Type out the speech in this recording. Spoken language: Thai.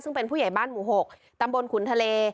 ซึ่งเป็นผู้ใหญ่บ้านหมู่๖ตำบลขุนทะเล